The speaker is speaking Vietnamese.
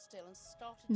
hồ lúc nét